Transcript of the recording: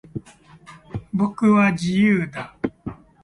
僕は、自由だ。